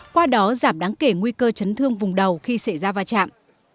qua đó giảm đáng kể nguy cơ chấn thương vùng đầu khi xảy ra va chạm